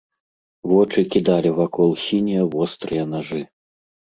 Вочы кідалі вакол сінія вострыя нажы.